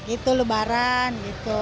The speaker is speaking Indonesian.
itu lebaran gitu